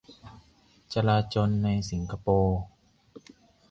จลาจลในสิงคโปร์